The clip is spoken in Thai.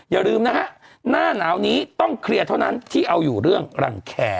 อย่าลืมนะฮะหน้าหนาวนี้ต้องเคลียร์เท่านั้นที่เอาอยู่เรื่องรังแคร์